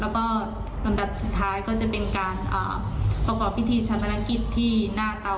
แล้วก็ลำดับสุดท้ายก็จะเป็นการประกอบพิธีชาปนกิจที่หน้าเตา